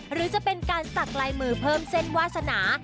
หรือจะเป็นการสักลายมือเพิ่มเส้นวาสนา